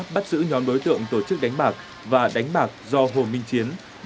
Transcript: bắt giữ nhóm đối tượng tổ chức đánh bạc và đánh bạc do hồ minh chiến